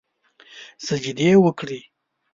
سجدې وکړي